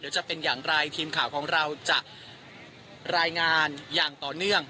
เดี๋ยวจะเป็นอย่างไรทีมข่าวของเราจะรายงานอย่างต่อเนื่อง